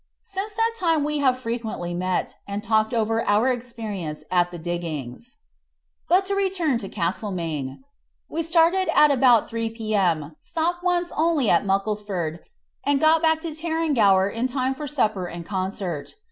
Since that time we have frequently met, and talked over our experience at the diggings. But to return to Castlemaine. We started at about 3 p.m., stopped once only at Mucklesford, and got back to Tarrangower in time for supper and concert.